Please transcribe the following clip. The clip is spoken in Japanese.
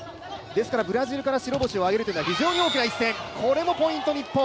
ですからブラジルから白星を挙げるというのは非常に大きな一戦。